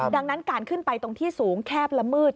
ดังนั้นการขึ้นไปตรงที่สูงแคบละมืด